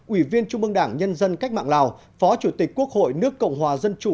ủy viên trung mương đảng nhân dân cách mạng lào phó chủ tịch quốc hội nước cộng hòa dân chủ